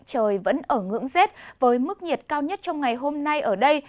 trời vẫn ở ngưỡng rét với mức nhiệt cao nhất trong ngày hôm nay ở đây